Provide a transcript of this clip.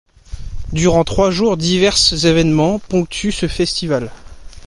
Durant trois jours, divers évènements ponctuent ce festival.